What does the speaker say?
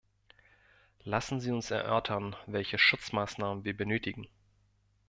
Lassen Sie uns erörtern, welche Schutzmaßnahmen wir benötigen.